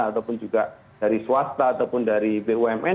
ataupun juga dari swasta ataupun dari bumn